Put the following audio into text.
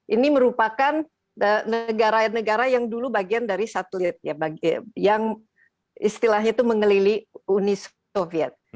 ini merupakan negara negara yang dulu bagian dari satelit yang istilahnya itu mengelilingi uni soviet